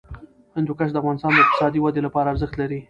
هندوکش د افغانستان د اقتصادي ودې لپاره ارزښت لري.